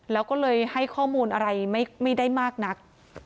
แล้วก็เลยให้ข้อมูลอะไรไม่ได้มากนัก